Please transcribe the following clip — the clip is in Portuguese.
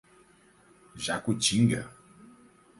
Jacutinga